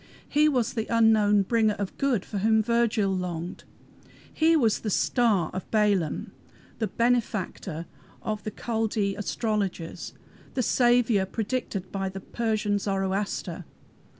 He was the unknown bringer of good for whom Virgil longed. He was the "Star" of Balaam, the "Benefactor" of the Chaldee astrologers, the "Saviour" predicted by the Persian Zoroaster.